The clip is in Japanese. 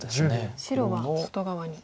白は外側に。